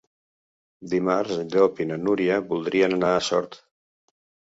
Dimarts en Llop i na Núria voldrien anar a Sort.